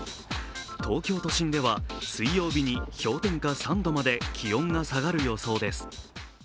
東京都心では水曜日に氷点下３度まで気温が下がる予想です。